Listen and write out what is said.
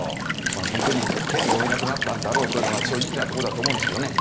まあホントに手に負えなくなったんだろうというのが正直なとこだと思うんですけどね。